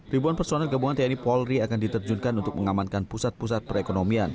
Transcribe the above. ribuan personel gabungan tni polri akan diterjunkan untuk mengamankan pusat pusat perekonomian